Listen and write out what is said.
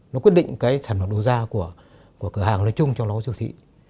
nó quyết định sản phẩm đồ da của cửa hàng nói chung cho lối siêu thị